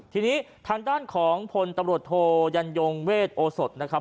ทีนี้ทางด้านของพลตำรวจโทยันยงเวทโอสดนะครับ